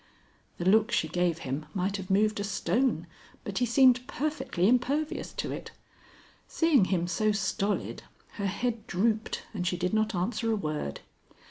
The look she gave him might have moved a stone, but he seemed perfectly impervious to it. Seeing him so stolid, her head drooped, and she did not answer a word.